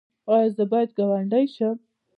ایا زه باید ګاونډی شم؟